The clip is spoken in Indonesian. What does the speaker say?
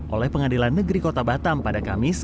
oleh pengadilan negeri kota batam pada kamis